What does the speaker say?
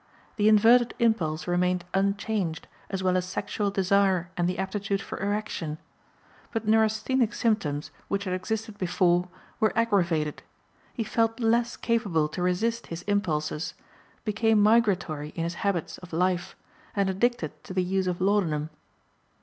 The inverted impulse remained unchanged, as well as sexual desire and the aptitude for erection; but neurasthenic symptoms, which had existed before, were aggravated; he felt less capable to resist his impulses, became migratory in his habits of life, and addicted to the use of laudanum.